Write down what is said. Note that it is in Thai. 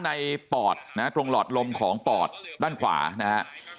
ทั้งในปอดนะครับตรงหลอดลมของปอดด้านขวานะครับ